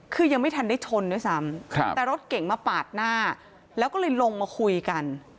คือยังไม่ทันได้ชนด้วยซ้ำแต่รถเก่งมาปาดหน้าแล้วก็เลยลงมาคุยกัน